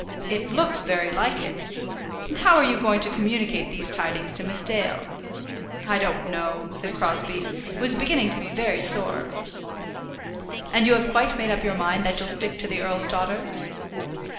"It looks very like it. And how are you going to communicate these tidings to Miss Dale?" "I don't know," said Crosbie, who was beginning to be very sore. "And you have quite made up your mind that you'll stick to the earl's daughter?"